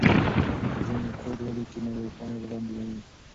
که نجونې کوډ ولیکي نو ویبپاڼې به بندې نه وي.